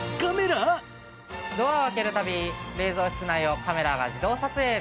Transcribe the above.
ドアを開ける度冷蔵室内をカメラが自動撮影。